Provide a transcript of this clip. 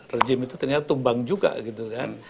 rejim itu ternyata tumbang juga gitu kan